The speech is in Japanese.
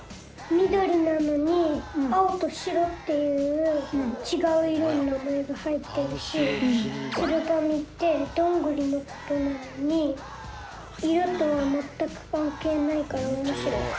みどりなのにあおとしろっていうちがういろのなまえがはいってるし「つるばみ」ってどんぐりのことなのにいろとはまったくかんけいないからおもしろい。